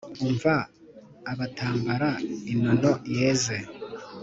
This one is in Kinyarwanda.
umva abatambara inono yeze.